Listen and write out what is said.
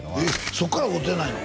そこから会うてないの？